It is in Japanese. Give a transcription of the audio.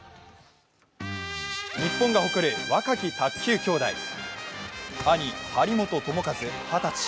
日本が誇る若き卓球きょうだい兄・張本智和、二十歳。